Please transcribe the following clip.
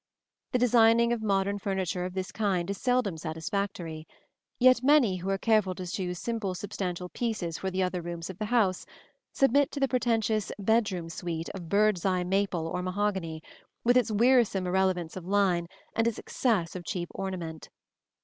The designing of modern furniture of this kind is seldom satisfactory; yet many who are careful to choose simple, substantial pieces for the other rooms of the house, submit to the pretentious "bedroom suit" of bird's eye maple or mahogany, with its wearisome irrelevance of line and its excess of cheap ornament.